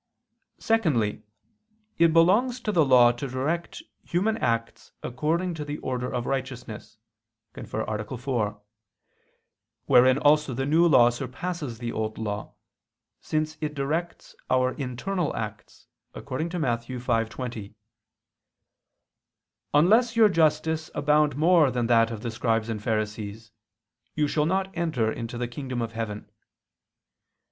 Secondly, it belongs to the law to direct human acts according to the order of righteousness (A. 4): wherein also the New Law surpasses the Old Law, since it directs our internal acts, according to Matt. 5:20: "Unless your justice abound more than that of the Scribes and Pharisees, you shall not enter into the kingdom of heaven."